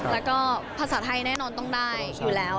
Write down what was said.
แล้วก็ภาษาไทยแน่นอนต้องได้อยู่แล้ว